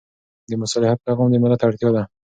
د مصالحت پېغام د ملت اړتیا ده.